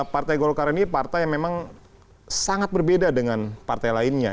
partai golkar ini partai yang memang sangat berbeda dengan partai lainnya